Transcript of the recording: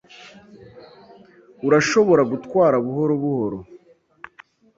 Urashobora gutwara buhoro buhoro?